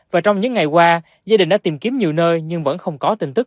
và trong những ngày qua gia đình đã tìm kiếm nhiều nơi nhưng vẫn không có tin tức